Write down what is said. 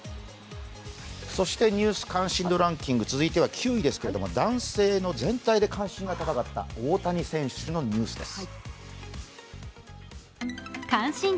「ニュース関心度ランキング」続いては９位ですが、男性の全体で関心が高かった大谷選手のニュースです。